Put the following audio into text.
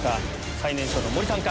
最年少の森さんか？